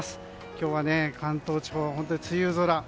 今日は関東地方、本当に梅雨空。